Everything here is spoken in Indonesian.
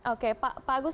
oke pak agus